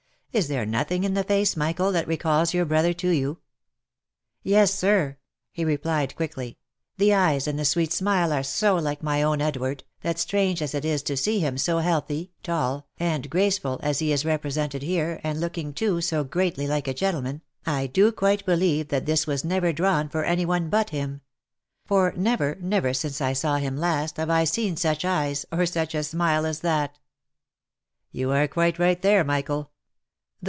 " Is there nothing in the face, Michael, that recalls vour brother to you?" 'Yes, sir," he replied quickly ;" the eyes and the sweet smile are so like my own Edward, that strange as it is to see him so healthy, tall, and graceful as he is represented here, and looking, too, so greatly like a gentleman, I do quite believe that this was never drawn for any one but him ; for never, never since I saw him last, have I seen such eyes, or such a smile as that." " You are quite right there, Michael.